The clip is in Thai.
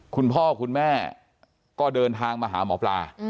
คุณพ่อคุณแม่ก็เดินทางมาหาหมอปลา